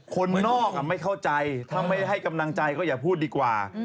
คนนอกไม่เข้าใจถ้าไม่ให้กำลังใจก็อย่าพูดดีกว่า